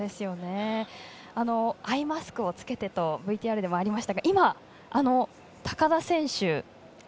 アイマスクをつけてとＶＴＲでもありましたが今、高田選手